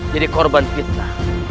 jadi korban kita